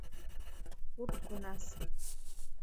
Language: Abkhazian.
Урҭқәа нас…